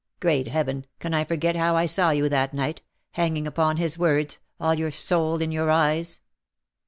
Great Heaven, can I forget how I saw you that nighty hanging upon his words, all your soul in your eyes.''